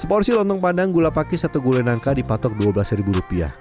seporsi lontong padang gula pakis atau gulai nangka dipatok rp dua belas